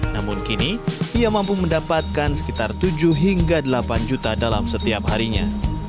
namun kini ia mampu mendapatkan sekitar tujuh hingga delapan juta dalam setiap harinya